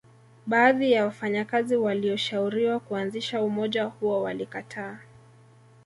Baadhi ya wafanyakazi walioshauriwa kuanzisha umoja huo walikataa